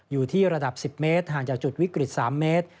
อยู่ที่ระดับ๑๐เมตรห่างจากจุดวิกฤต๓เมตร